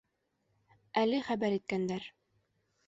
Әле хәбәр иткәндәр.